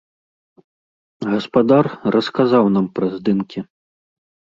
Гаспадар расказаў нам пра здымкі.